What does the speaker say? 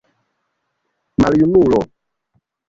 maljunulo